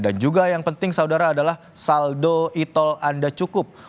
dan juga yang penting saudara adalah saldo e tol anda cukup